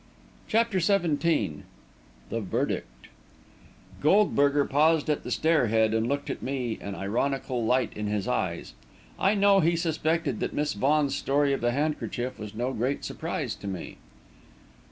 CHAPTER XVII THE VERDICT Goldberger paused at the stair head and looked at me, an ironical light in his eyes. I knew he suspected that Miss Vaughan's story of the handkerchief was no great surprise to me.